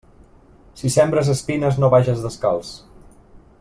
Si sembres espines, no vages descalç.